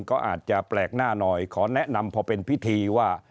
ก็อาจจะแปลกหน้าหน่อยขอแนะนำพอเป็นพิธีว่า